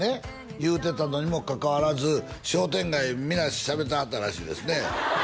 言うてたのにもかかわらず商店街で皆しゃべってはったらしいですね